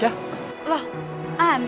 ya elah ndu